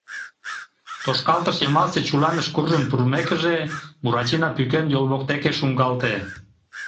Тошкалтыш йымалсе чуланыш куржын пурымекыже, Буратино пӱкен йол воктеке шуҥгалте.